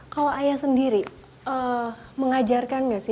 kalau ayah sendiri mengajarkan ya kan kekuatan